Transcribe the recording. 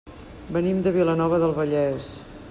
Venim de Vilanova del Vallès.